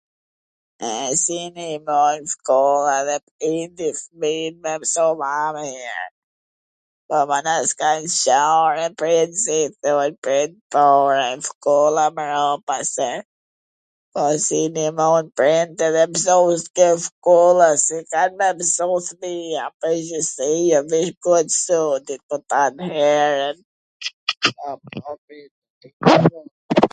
E si me i ba shkolla edhe prindi fmijwn me msu ma mir? Po, mana, s ka gja ore prindi se i thon prind, po edhe shkolla mrapa se, po s i nimon prindi edhe msust ke shkolla si kan me msu fmija, n pwrgjithsi e veC koh t sodit, tani...